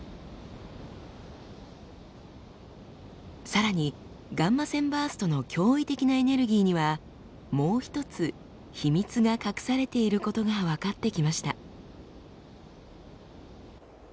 さらにガンマ線バーストの驚異的なエネルギーにはもう一つ秘密が隠されていることが分かってきました。